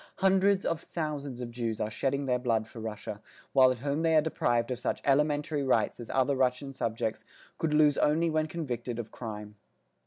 Hundreds of thousands of Jews are shedding their blood for Russia, while at home they are deprived of such elementary rights as other Russian subjects could lose only when convicted of crime.